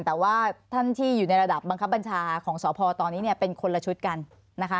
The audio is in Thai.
แต่ว่าท่านที่อยู่ในระดับบังคับบัญชาของสพตอนนี้เนี่ยเป็นคนละชุดกันนะคะ